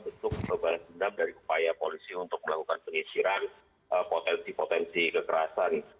bentuk pebalas dendam dari upaya polisi untuk melakukan penyisiran potensi potensi kekerasan